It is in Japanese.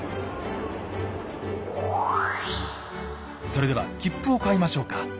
それでは切符を買いましょうか。